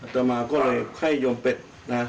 ต่อมาก็เลยไข้โยมเป็ด